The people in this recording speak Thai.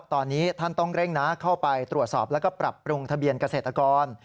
ตอนนี้ท่านต้องเร่งนะเข้าไปตรวจสอบแล้วก็ปรับปรุงทะเบียนเกษตรกร